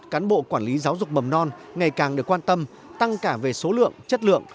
cán bộ quản lý giáo dục mầm non ngày càng được quan tâm tăng cả về số lượng chất lượng